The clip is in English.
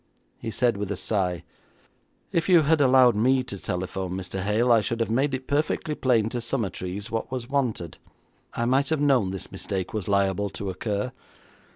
He said with a sigh, 'If you had allowed me to telephone, Mr. Hale, I should have made it perfectly plain to Summertrees what was wanted. I might have known this mistake was liable to occur.